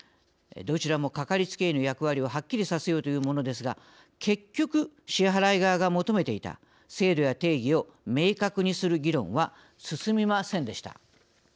どちらも、かかりつけ医の役割をはっきりさせようというものですが結局、支払い側が求めていた制度や定義を明確にする議論は進みませんでした。